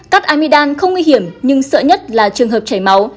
cắt amidam không nguy hiểm nhưng sợ nhất là trường hợp chảy máu